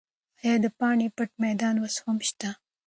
ایا د پاني پت میدان اوس هم شته؟